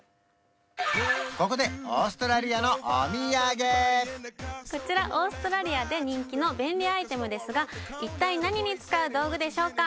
ここでオーストラリアのお土産こちらオーストラリアで人気の便利アイテムですが一体何に使う道具でしょうか？